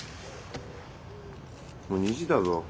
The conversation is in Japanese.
もう２時だぞ。